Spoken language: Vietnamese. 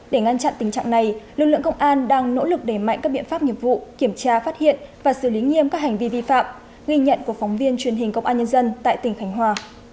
để ngăn chặn tình trạng này lực lượng công an đang nỗ lực để mạnh các biện pháp nghiệp vụ kiểm tra phát hiện và xử lý nghiêm các hành vi vi phạm ghi nhận của phóng viên truyền hình công an nhân dân tại tỉnh khánh hòa